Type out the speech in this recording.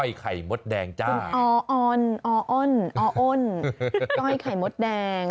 ก้อยไข่มดแดงจ้ะคุณอ๋ออนอ๋ออนอ๋ออนก้อยไข่มดแดง